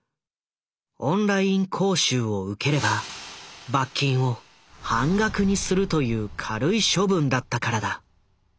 オンライン講習を受ければ罰金を半額にするという軽い処分だったからだ。